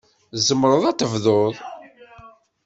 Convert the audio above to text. Tzemreḍ ad tebduḍ.